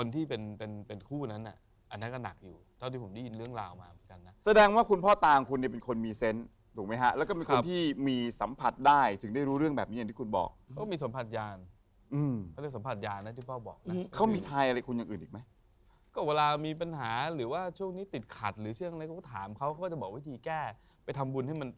แต่ว่าในคนที่เป็นคู่ก็หนักอยู่